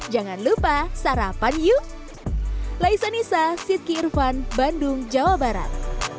jangan lupa sarapan yuk